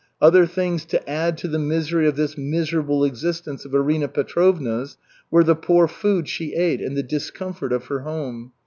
Other things to add to the misery of this miserable existence of Arina Petrovna's were the poor food she ate and the discomfort of her home.